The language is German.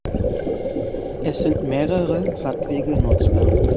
Es sind mehrere Radwege nutzbar.